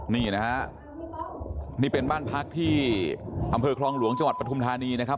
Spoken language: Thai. นี่นะฮะนี่เป็นบ้านพักที่อำเภอคลองหลวงจังหวัดปฐุมธานีนะครับ